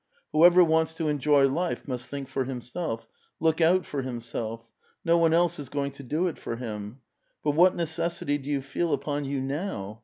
Whoever wants to enjoy life must think for himself, look out for himself ; no one else is going to do it for him. But what necessity do you feel upon vou now?